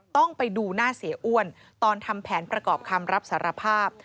ต้องไปดูหน้าเสียอ้วนตอนทำแผนประกอบคำรับสารภาพ